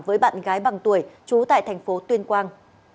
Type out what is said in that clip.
với bạn gái bằng tuổi trú tại thành phố tuyên quang